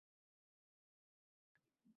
Assalomu aleykum, Baxtiyor aka